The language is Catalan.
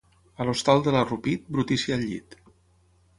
A l'hostal de l'Arrupit, brutícia al llit.